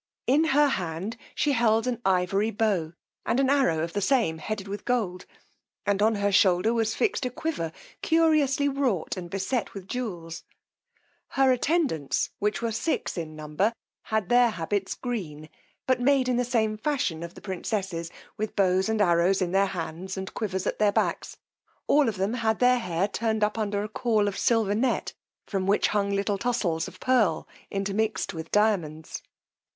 In her hand she held an ivory bow, and an arrow of the same headed with gold; and on her shoulder was fixed a quiver curiously wrought and beset with jewels: her attendants, which were six in number, had their habits green, but made in the same fashion of the princess's, with bows and arrows in their hands, and quivers at their backs: all of them had their hair turned up under a caul of silver net, from which hung little tossels of pearl intermixed with diamonds.